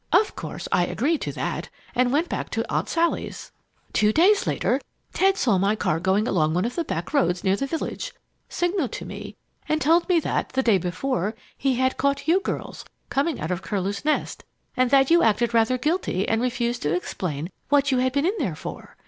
Of course, I agreed to that and went on back to Aunt Sally's. "Two days later, Ted saw my car going along one of the back roads near the village, signaled to me, and told me that, the day before, he had caught you girls coming out of Curlew's Nest and that you acted rather guilty and refused to explain what you had been in there for.